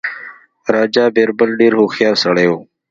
راجا بیربل ډېر هوښیار سړی وو.